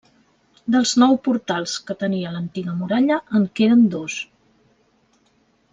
Dels nou portals que tenia l'antiga muralla en queden dos.